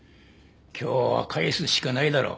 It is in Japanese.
今日は帰すしかないだろう。